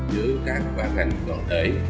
với các bàn ảnh cộng đề